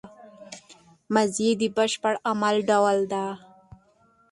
ماضي د بشپړ عمل ډول دئ.